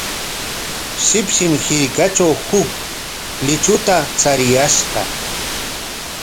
Shipshish hirkatraw huk luychuta chariyashqa.